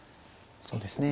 そうですね